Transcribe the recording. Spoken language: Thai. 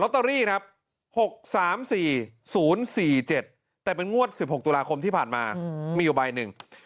ตอรี่ครับ๖๓๔๐๔๗แต่เป็นงวด๑๖ตุลาคมที่ผ่านมามีอยู่ใบหนึ่ง